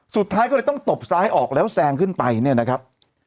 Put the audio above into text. สุดท้ายก็เลยต้องตบซ้ายออกแล้วแซงขึ้นไปเนี่ยนะครับ